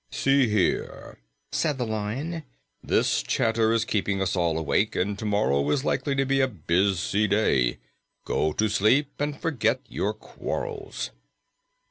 "See here," said the Lion, "this chatter is keeping us all awake, and tomorrow is likely to be a busy day. Go to sleep and forget your quarrels."